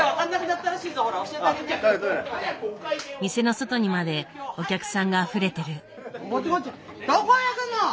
店の外にまでお客さんがあふれてる。